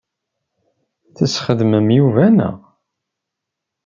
Tesxedmem Yuba, naɣ?